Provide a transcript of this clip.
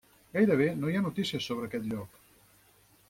Gairebé no hi ha notícies sobre aquest lloc.